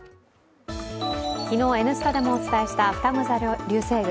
昨日「Ｎスタ」でもお伝えしたふたご座流星群。